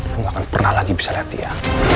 lo gak akan pernah lagi bisa lihat dia